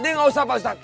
dia gak usah pausat